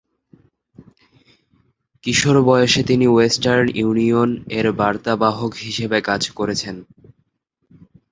কিশোর বয়সে তিনি western union এর বার্তাবাহক হিসাবে কাজ করেছেন।